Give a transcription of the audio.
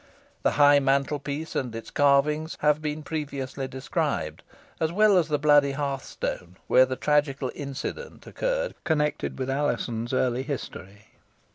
The high mantelpiece and its carvings have been previously described, as well as the bloody hearthstone, where the tragical incident occurred connected with Alizon's early history.